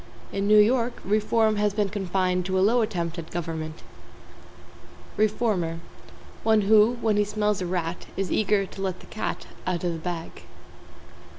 In New York, reform has been confined to a Low attempt at government. =REFORMER= One who, when he smells a rat, is eager to let the cat out of the bag.